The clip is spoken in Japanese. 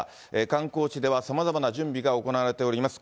観光地ではさまざまな準備が行われております。